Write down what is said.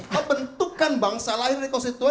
membentukkan bangsa lahir dari konstitusi